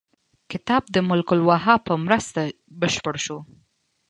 کتاب د ملک الوهاب په مرسته بشپړ شو.